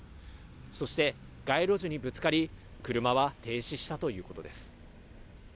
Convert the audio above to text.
そして、街路樹にぶつかり車は停止したということです。